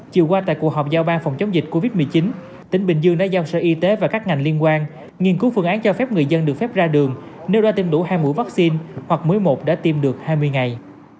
chiều qua tại cuộc họp giao ban phòng chống dịch covid một mươi chín tỉnh bình dương đã giao sở y tế và các ngành liên quan nghiên cứu phương án cho phép người dân được phép ra đường nêu ra tiêm đủ hai mũi vaccine hoặc mũi một đã tiêm được hai mươi ngày